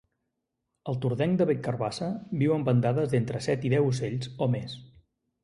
El tordenc de bec carabassa viu en bandades d'entre set i deu ocells, o més.